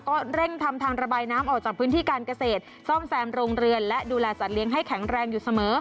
ก็เร่งทำทางระบายน้ำออกจากพื้นที่การเกษตรซ่อมแซมโรงเรือนและดูแลสัตว์เลี้ยงให้แข็งแรงอยู่เสมอ